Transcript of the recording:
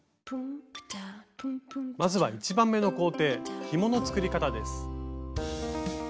まずは１番目の行程ひもの作り方です。